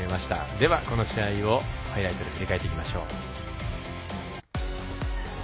では、この試合をハイライトで振り返っていきましょう。